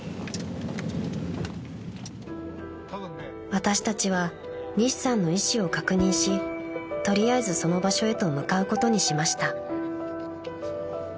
［私たちは西さんの意思を確認し取りあえずその場所へと向かうことにしました］